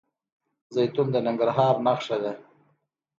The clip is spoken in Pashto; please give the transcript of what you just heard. زیتون د ننګرهار نښه ده.